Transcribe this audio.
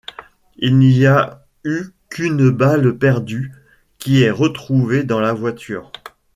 Il n'y a eu qu'une balle perdue qui est retrouvée dans la voiture.